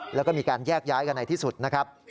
แล้วก็มีการแยกย้ายกันในที่สุดนะครับ